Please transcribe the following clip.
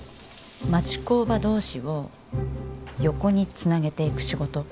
町工場同士を横につなげていく仕事。